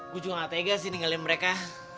gue juga gak tegas nih ninggalin mereka